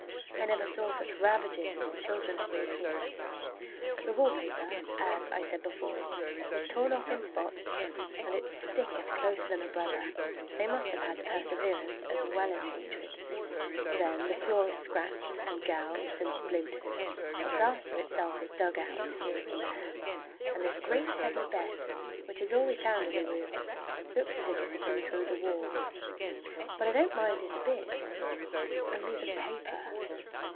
I never saw such ravages as the children have made here. The wallpaper, as I said before, is torn off in spots, and it sticketh closer than a brother—they must have had perseverance as well as hatred. Then the floor is scratched and gouged and splintered, the plaster itself is dug out here and there, and this great heavy bed, which is all we found in the room, looks as if it had been through the wars. But I don't mind it a bit—only the paper.